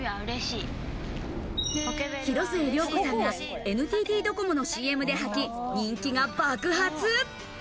広末涼子さんがＮＴＴドコモのＣＭで履き、人気が爆発。